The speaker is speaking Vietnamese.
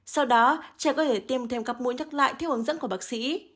sau đó trẻ có thể tiêm thêm các mũi nhắc lại theo hướng dẫn của bác sĩ